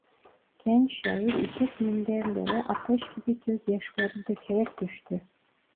Genç şair ipek minderlere ateş gibi gözyaşları dökerek düştü.